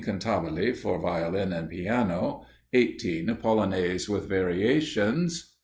Cantabile for Violin and Piano. 18. Polonaise, with variations.